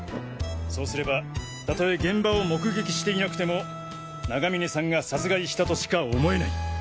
そうすればたとえ現場を目撃していなくても永峰さんが殺害したとしか思えない。